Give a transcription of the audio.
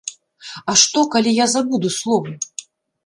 А што, калі я забуду словы?